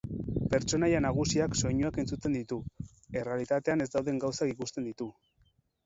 Pertsonaia nagusiak soinuak entzuten ditu, errealitatean ez dauden gauzak ikusten ditu.